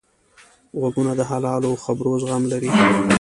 غوږونه د حلالو خبرو زغم لري